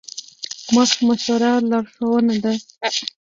پوخ مشوره لارښوونه ده